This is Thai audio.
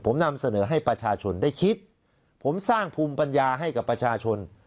ผมนำเสนอให้ประชาชนได้คิดผมสร้างภูมิปัญญาให้กับประชาชน